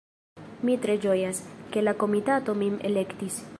Mi tre ĝojas, ke la komitato min elektis.